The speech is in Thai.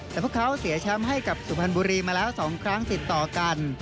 แต่พวกเขาเสียแชมป์ให้กับสุพรรณบุรีมาแล้ว๒ครั้งติดต่อกัน